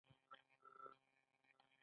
هغه هغې ته د نرم عطر ګلان ډالۍ هم کړل.